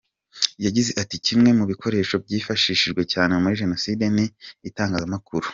Yagize ati “Kimwe mu bikoresho byifashishijwe cyane muri Jenoside ni itangazamakuru.